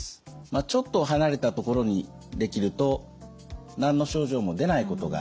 まあちょっと離れたところにできると何の症状も出ないことがあります。